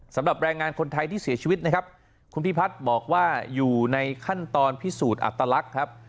สำหรับแรงงานคนไทยที่เสียชีวิตนะครับคุณพิพัฒน์บอกว่าอยู่ในขั้นตอนพิสูจน์อัตลักษณ์ครับ